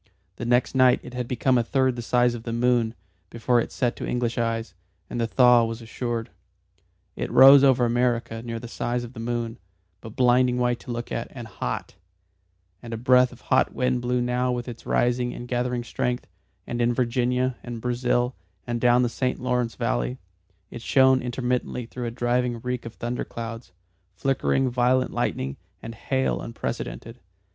The next night it had become a third the size of the moon before it set to English eyes, and the thaw was assured. It rose over America near the size of the moon, but blinding white to look at, and hot; and a breath of hot wind blew now with its rising and gathering strength, and in Virginia, and Brazil, and down the St. Lawrence valley, it shone intermittently through a driving reek of thunder clouds, flickering violet lightning, and hail unprecedented.